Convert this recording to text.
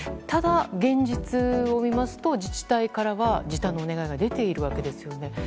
ただ、現実を見ますと自治体からは時短のお願いが出ているわけですよね。